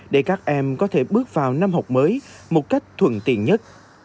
để các em có thể bước vào năm học mới một cách thuận tiện nhất